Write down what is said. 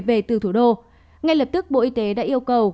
về từ thủ đô ngay lập tức bộ y tế đã yêu cầu